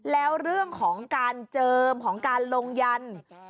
แล้วเรื่องของการเจิมของการลงยัน